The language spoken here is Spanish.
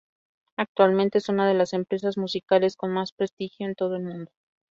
Actualmente es una de las empresas musicales con más prestigio en todo el mundo.